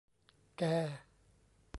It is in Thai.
แก